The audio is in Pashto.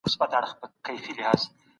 پر انسانانو حکومت کول لوړ مهارت غواړي.